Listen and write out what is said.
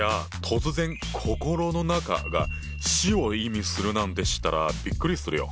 突然「心の中」が「死」を意味するなんて知ったらびっくりするよ。